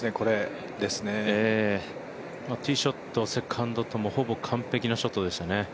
ティーショット、セカンドともほぼ完璧なショットでしたね。